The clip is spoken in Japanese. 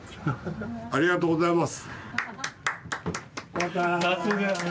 ありがとうございます。